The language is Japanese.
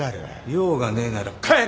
用がねえなら帰れ！